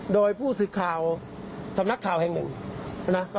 โดยผู้สื่อข่าวสำนักข่าวแห่งหนึ่งนะ